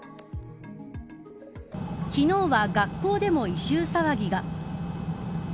昨日は学校でも異臭騒ぎが。